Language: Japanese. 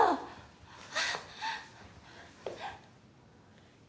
あっ。